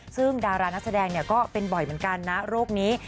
ซึ่งดารานักแสดงก็เป็นบ่อยเหมือนกันนะโรคนี้